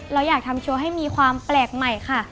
เราอยากทำโชว์ให้มีความแปลกใหม่ค่ะ